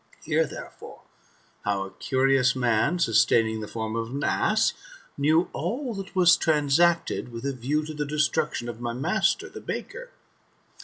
" Hear, therefore, how a eurious man, sustaining the form of an ass, knew all that was transacted with a view to the destruction of my master, the baker.